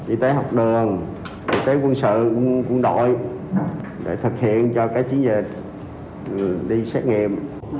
y tế học đường y tế quân sự quân đội để thực hiện cho cái chiến dịch đi xét nghiệm